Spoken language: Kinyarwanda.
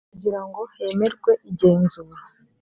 kugira ngo hemerwe igenzura